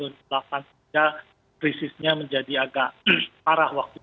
ya krisisnya menjadi agak parah